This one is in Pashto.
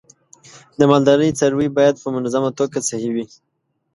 د مالدارۍ څاروی باید په منظمه توګه صحي وي.